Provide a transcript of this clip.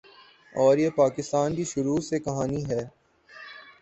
اور یہ پاکستان کی شروع سے کہانی ہے۔